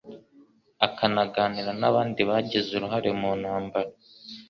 akanaganira n'abandi bagize uruhare mu ntambara